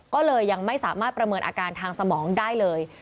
ก็เลยยังไม่สามารถประเมินอาการทางสมองได้เลย